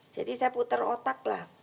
jadi saya putar otak lah